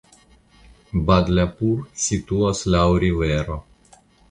Badlapur situas laŭ rivero.